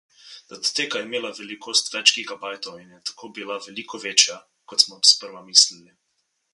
Datoteka je imela velikost več gigabajtov in je tako bila veliko večja, kot smo sprva mislili.